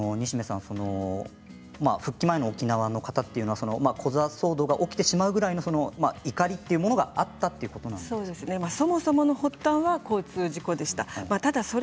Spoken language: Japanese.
復帰前の方というのはコザ騒動が起きてしまうぐらいの怒りというものがあったというそもそもの発端は交通事故でした。